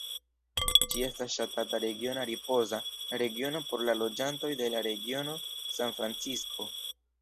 Ĝi estas ŝatata regiona ripoza regiono por la loĝantoj de la regiono San Francisko.